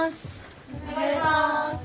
お願いします。